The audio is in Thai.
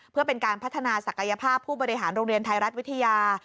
เพื่อเป็นการพัฒนาศักยภาพผู้บริหารโรงเรียนไทยรัฐวิทยา